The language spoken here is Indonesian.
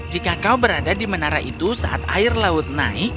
jika kau berada di menara itu saat air laut naik